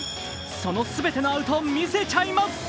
その全てのアウト、見せちゃいます